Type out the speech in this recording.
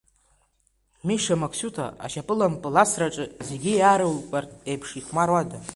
Миша Максиута, ашьапылампыл асраҿы зегьы иаарылукаартә еиԥш ихәмаруада?